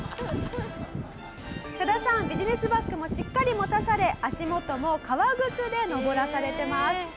サダさんビジネスバッグもしっかり持たされ足元も革靴で登らされてます。